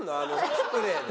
スプレーで。